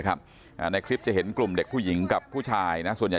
ในคลิปจะเห็นกลุ่มเด็กผู้หญิงกับผู้ชายนะส่วนใหญ่